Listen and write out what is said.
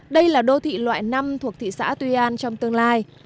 đây là đô thị loại năm thuộc thị xã tuy an trong tương lai